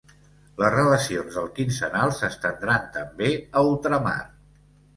Les relacions del quinzenal s'estendran també a ultramar: